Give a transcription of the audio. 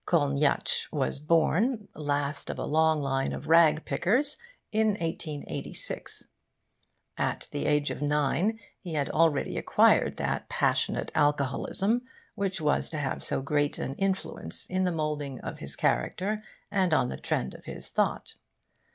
Kolniyatsch was born, last of a long line of rag pickers, in 1886. At the age of nine he had already acquired that passionate alcoholism which was to have so great an influence in the moulding of his character and on the trend of his thought.